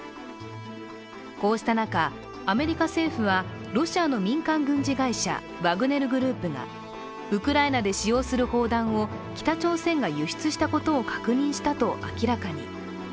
こうした中、アメリカ政府はロシアの民間軍事会社ワグネル・グループがウクライナで使用する砲弾を北朝鮮が輸出したことを確認したと明らかに。